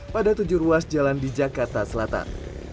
pada tujuh ruas jalan di jakarta selatan